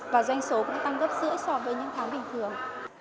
và doanh số cũng tăng gấp rưỡi so với những tháng bình thường